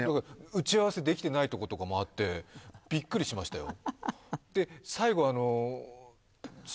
打ち合わせできてないところとかもあってびっくりしましたよ。